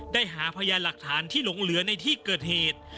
หาพยานหลักฐานที่หลงเหลือในที่เกิดเหตุ